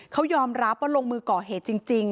เขายอมรับว่าลงมือก่อเหตุจริง